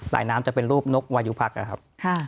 ลายน้ำจะเป็นรูปนกวายุพักนะครับ